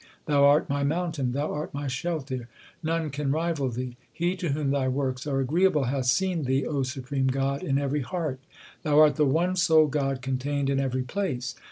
Thou art my mountain ; 2 Thou art my shelter ; none can rival Thee. He to whom Thy works are agreeable Hath seen Thee, O Supreme God, in every heart. Thou art the one sole God contained in every place.